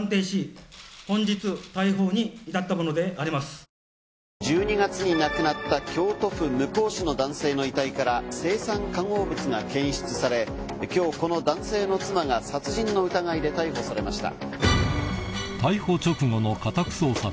こうして１２月に亡くなった京都府向日市の男性の遺体から青酸化合物が検出され今日この男性の妻が殺人の疑いで逮捕されました。